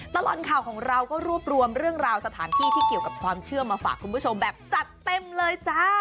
ตลอดข่าวของเราก็รวบรวมเรื่องราวสถานที่ที่เกี่ยวกับความเชื่อมาฝากคุณผู้ชมแบบจัดเต็มเลยจ้า